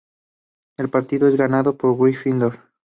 El partido es ganado por Gryffindor.